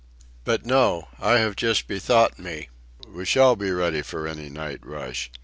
But no. I have just bethought me. We shall be ready for any night rush.